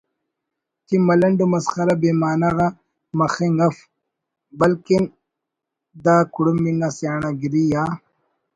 کہ ”ملنڈ و مسخرہ بے معنہ غا مخنگ اف بلکن دا کڑمب انگا سیانڑاگری یا